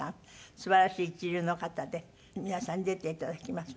すばらしい一流の方で皆さんに出て頂きます。